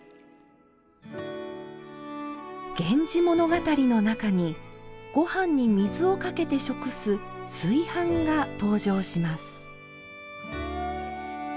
源氏物語の中にご飯に水をかけて食す水飯が登場します。